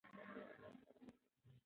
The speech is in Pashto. هغې خپل ټیکری په ډېر ادب سره سم کړ.